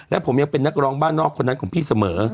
และผมยังเป็นนักร้องบ้านนอกคนนั้นของพี่เสมอ